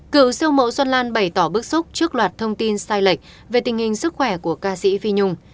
cựu siêu mẫu xuân lan bày tỏ bức xúc trước loạt thông tin sai lệch về tình hình sức khỏe của ca sĩ phi nhung